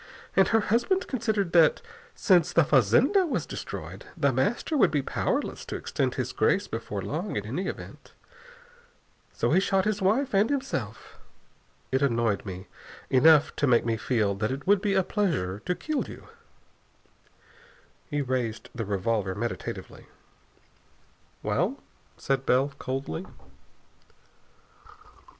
And her husband considered that, since the fazenda was destroyed, The Master would be powerless to extend his grace before long, in any event. So he shot his wife and himself. It annoyed me enough to make me feel that it would be a pleasure to kill you." He raised the revolver meditatively. "Well?" said Bell coldly.